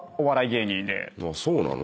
そうなの？